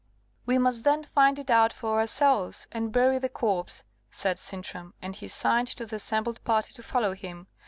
"We must then find it out for ourselves, and bury the corpse," said Sintram; and he signed to the assembled party to follow him.